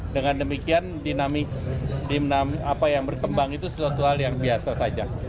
dengan demikian dinamis apa yang berkembang itu sesuatu hal yang biasa saja